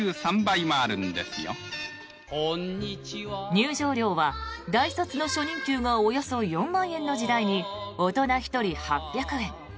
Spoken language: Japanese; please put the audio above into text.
入場料は、大卒の初任給がおよそ４万円の時代に大人１人８００円。